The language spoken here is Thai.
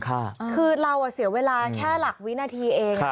คือเราเสียเวลาแค่หลักวินาทีเอง